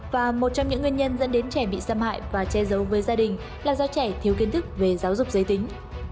và một trong những nguyên nhân dẫn đến trẻ bị xâm hại và che giấu với gia đình là do trẻ thiếu kiến thức về giáo dục giới tính